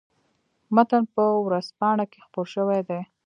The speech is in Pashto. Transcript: متن په ورځپاڼه کې خپور شوی دی.